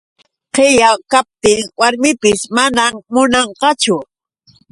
Qilla kaptin warmipis manam munanqachu.